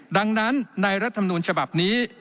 ดังนั้นในรัฐมนูลฉบับนี้